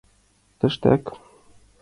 Тыштак.